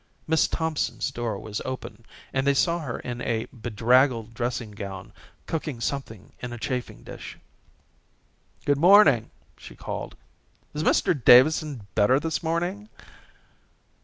Miss Thompson's door was open, and they saw her in a bedraggled dressing gown, cooking something in a chafing dish. "Good morning," she called. "Is Mr Davidson better this morning?"